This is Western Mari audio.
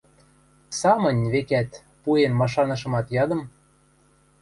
Самынь, векӓт, пуэн машанышымат, ядым: